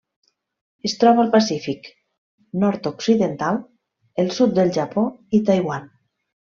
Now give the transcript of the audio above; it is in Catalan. Es troba al Pacífic nord-occidental: el sud del Japó i Taiwan.